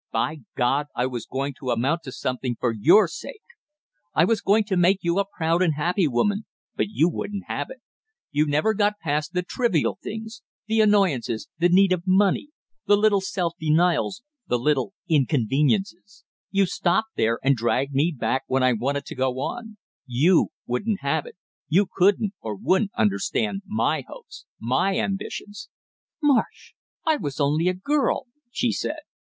By God, I was going to amount to something for your sake! I was going to make you a proud and happy woman, but you wouldn't have it! You never got past the trivial things; the annoyances, the need of money, the little self denials, the little inconveniences; you stopped there and dragged me back when I wanted to go on; you wouldn't have it, you couldn't or wouldn't understand my hopes my ambitions!" "Marsh, I was only a girl!" she said.